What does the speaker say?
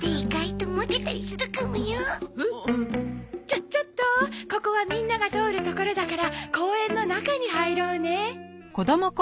ちょちょっとここはみんなが通る所だから公園の中に入ろうね。